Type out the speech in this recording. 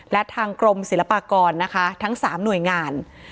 และทางกรมศิลปากรนะคะทั้ง๓หน่วยงาน